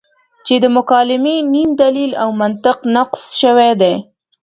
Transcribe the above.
چې د مکالمې نیم دلیل او منطق نقص شوی دی.